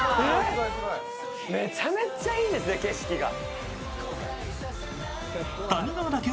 めちゃめちゃいいですね、景色が。